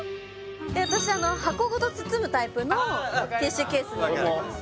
私あの箱ごと包むタイプのティッシュケースに入れてます